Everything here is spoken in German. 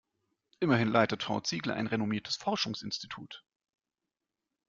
Immerhin leitet Frau Ziegler ein renommiertes Forschungsinstitut.